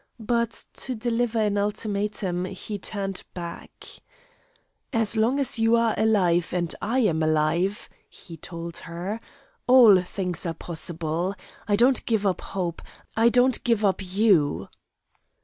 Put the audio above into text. But, to deliver an ultimatum, he turned back. "As long as you are alive, and I am alive," he told her, "all things are possible. I don't give up hope. I don't give up you."